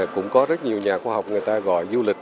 cũng có rất nhiều nhà khoa học người ta gọi du lịch